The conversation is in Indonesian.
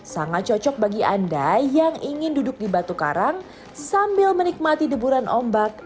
sangat cocok bagi anda yang ingin duduk di batu karang sambil menikmati deburan ombak